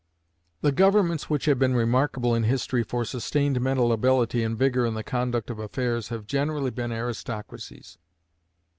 The governments which have been remarkable in history for sustained mental ability and vigor in the conduct of affairs have generally been aristocracies.